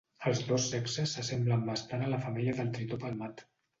Els dos sexes s'assemblen bastant a la femella del tritó palmat.